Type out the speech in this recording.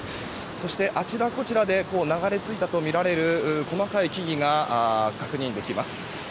そして、あちらこちらで流れ着いたとみられる細かい木々が確認できます。